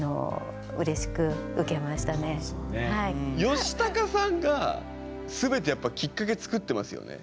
ヨシタカさんが全てやっぱきっかけ作ってますよね。